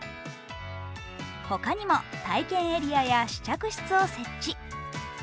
他にも体験エリアや試着室を設置。